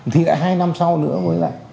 thì lại hai năm sau nữa với lại